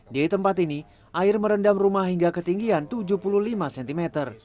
di tempat ini air merendam rumah hingga ketinggian tujuh puluh lima cm